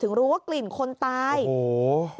รู้ว่ากลิ่นคนตายโอ้โห